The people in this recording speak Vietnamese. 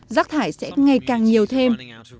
rác thải sẽ ngày càng nhiều thêm